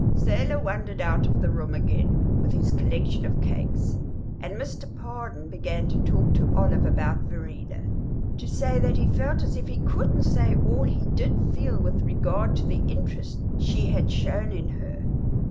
Selah wandered out of the room again with his collection of cakes, and Mr. Pardon began to talk to Olive about Verena, to say that he felt as if he couldn't say all he did feel with regard to the interest she had shown in her.